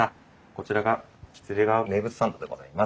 こちらが喜連川名物サンドでございます。